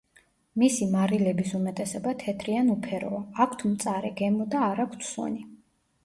მისი მარილების უმეტესობა თეთრი ან უფეროა, აქვთ მწარე გემო და არ აქვთ სუნი.